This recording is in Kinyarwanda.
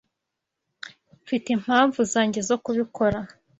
Mfite impamvu zanjye zo kubikora.